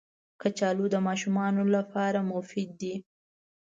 کچالو د ماشومانو لپاره مفید دي